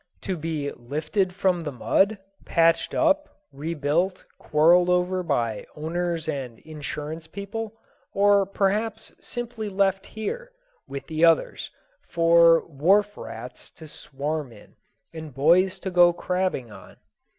To be lifted from the mud, patched up, rebuilt, quarreled over by owners and insurance people, or perhaps simply left here, with the others, for wharf rats to swarm in and boys to go crabbing on!